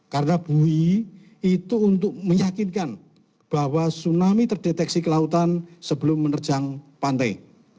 karena bui itu untuk meyakinkan bahwa tsunami terdeteksi ke lautan sebelum menerjang pantai